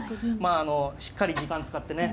あのしっかり時間使ってね。